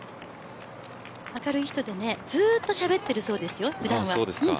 明るい人で、ずっとしゃべっているそうですよ、普段は。